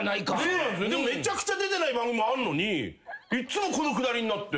めちゃくちゃ出てない番組もあるのにいつもこのくだりになって。